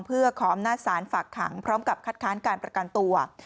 เพื่อขออำนาจศาลฝากขังพร้อมกับคัดค้านการประกันตัว